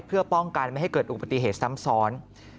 เพื่อป้องกันไม่ให้เกิดอุบัติเหตุซ้ำซ้อน